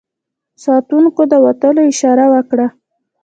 ساتونکو د وتلو اشاره وکړه.